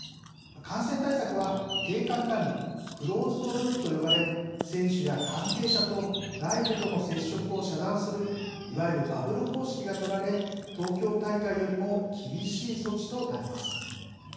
感染対策は、閉環管理クローズド・ループと呼ばれ選手や関係者と外部との接触を遮断するいわゆるバブル方式が取られ東京大会よりも厳しい措置となります。